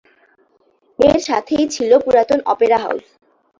এর সাথেই ছিল পুরাতন অপেরা হাউজ।